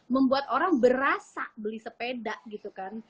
membuat orang berasa beli sepeda gitu kan